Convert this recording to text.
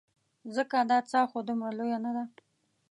ځکه دا څاه خو دومره لویه نه ده.